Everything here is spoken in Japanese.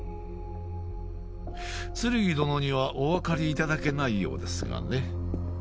ツルギ殿にはお分かりいただけないようですがね。